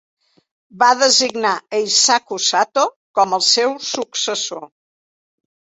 Va designar Eisaku Sato com el seu successor.